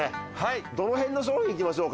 どのへんの商品行きましょうか？